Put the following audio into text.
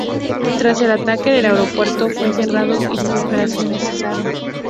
Tras el ataque el aeropuerto fue cerrado y sus operaciones cesaron.